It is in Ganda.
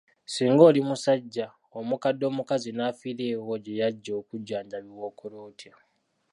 Singa oli musajja, omukadde omukazi n'afiira ewuwo gye yajja okujjanjabibwa okola otya?